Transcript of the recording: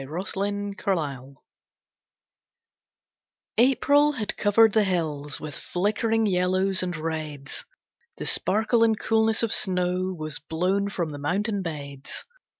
Azure and Gold April had covered the hills With flickering yellows and reds, The sparkle and coolness of snow Was blown from the mountain beds.